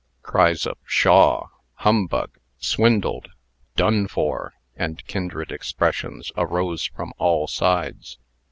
Cries of "Pshaw!" "Humbug!" "Swindled!" "Done for!" and kindred expressions, arose from all sides.